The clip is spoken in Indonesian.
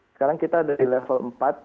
sekarang kita ada di level empat